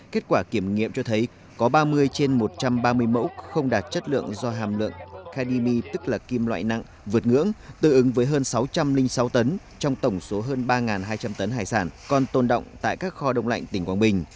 kết quả kiểm nghiệm cho thấy có ba mươi trên một trăm ba mươi mẫu không đạt chất lượng do hàm lượng kdm tức là kim loại nặng vượt ngưỡng tương ứng với hơn sáu trăm linh sáu tấn trong tổng số hơn ba hai trăm linh tấn hải sản còn tồn động tại các kho đông lạnh tỉnh quảng bình